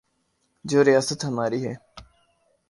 جو ریاست ہماری ہے۔